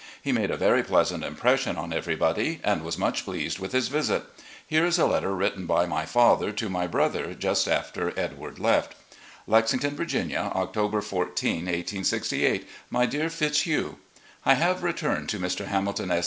He made a very pleasant impression on everybody, and was much pleased with his visit. Here is a letter written by my father to my brother just after Edward left : "Lexington, Virginia, October 14, 1868. " My Dear Fitzhugh: I have returned to Mr. Hamilton S.